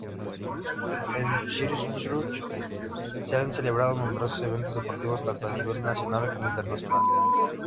En Christchurch se han celebrado numerosos eventos deportivos, tanto a nivel nacional como internacional.